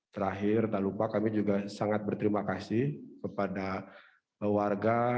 terakhir tak lupa kami juga sangat berterima kasih kepada warga